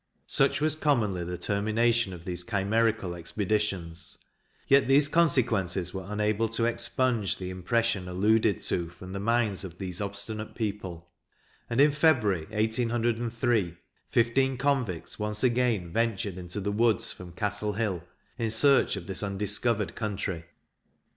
Such was commonly the termination of these chimerical expeditions; yet these consequences were unable to expunge the impression alluded to from the minds of these obstinate people, and, in February, 1803, fifteen convicts once again ventured into the woods from Castle Hill, in search of this undiscovered country.